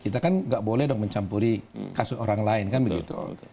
kita kan nggak boleh dong mencampuri kasus orang lain kan begitu